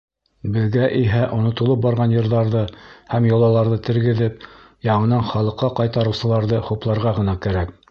Беҙгә иһә онотолоп барған йырҙарҙы һәм йолаларҙы тергеҙеп, яңынан халыҡҡа ҡайтарыусыларҙы хупларға ғына кәрәк.